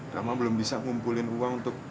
karena belum bisa ngumpulin uang untuk